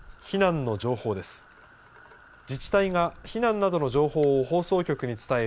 避難の情報です。